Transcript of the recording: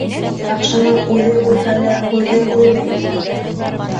Яҡшының үҙе үлһә лә һүҙе үлмәй.